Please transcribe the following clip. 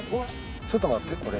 ちょっと待ってこれ。